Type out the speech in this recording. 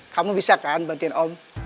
kamu bisa kan bantir om